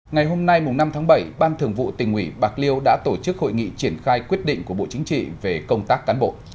ngày hôm nay năm tháng bảy ban thường vụ tỉnh ủy bạc liêu đã tổ chức hội nghị triển khai quyết định của bộ chính trị về công tác cán bộ